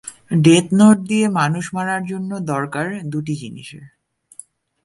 Death Note দিয়ে মানুষ মারার জন্য দরকার দুটি জিনিসের।